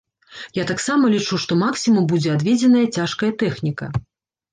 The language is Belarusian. Я таксама лічу, што максімум будзе адведзеная цяжкая тэхніка.